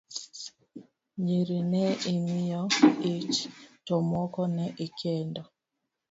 Nyiri ne imiyo ich, to moko ne ikendo.